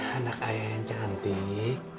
anak ayah yang cantik